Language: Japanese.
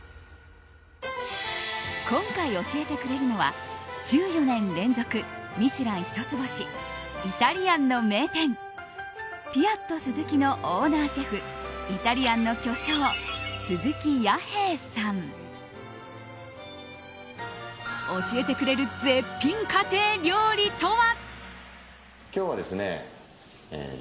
今回教えてくれるのは１４年連続「ミシュラン」一つ星イタリアンの名店ピアットスズキのオーナーシェフイタリアンの巨匠、鈴木弥平さん。教えてくれる絶品家庭料理とは。